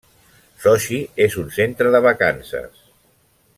Sotxi és un centre de vacances.